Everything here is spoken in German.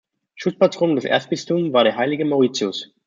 Schutzpatron des Erzbistums war der Heilige Mauritius.